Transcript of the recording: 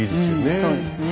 そうですね。